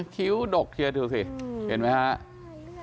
คิ้วดกดูสิเห็นมั้ยครับ